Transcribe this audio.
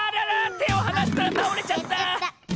てをはなしたらたおれちゃった！